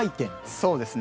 そうですね。